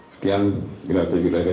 sekian bila bila ada ya